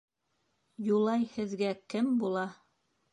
Юлай һеҙгә кем була?